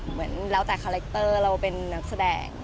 เหมือนแล้วแต่คาแรคเตอร์เราเป็นนักแสดง